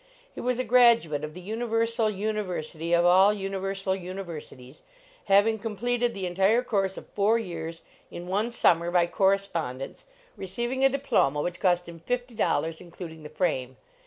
He was a graduate of the Universal University of all universal universities, having completed the entire course of four years in one summer by correspondence, receiving a diploma which cost him fifty dollars, including the frame.